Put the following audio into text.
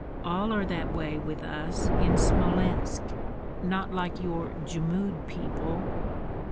"All are that way with us in Smolensk; not like your Jmud people.